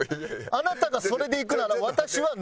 あなたがそれでいくなら。